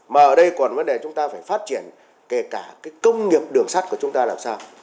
mà ở đây còn vấn đề chúng ta phải phát triển kể cả cái công nghiệp đường sắt của chúng ta làm sao